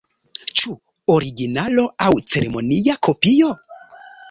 Ĉu originalo aŭ ceremonia kopio?